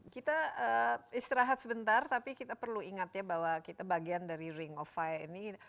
kita istirahat sebentar tapi kita perlu ingat ya bahwa kita bagian dari ring of fire ini